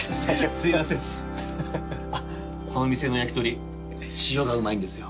あっこの店の焼き鳥塩がうまいんですよ。